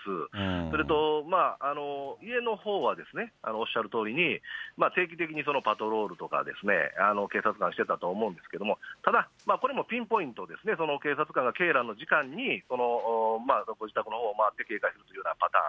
それと家のほうは、おっしゃるとおりに定期的にパトロールとかですね、警察がしてたと思うんですけれども、ただ、これもピンポイントですね、警察官が警らの時間に回って警戒するようなパターン。